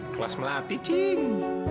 wih kelas melati cing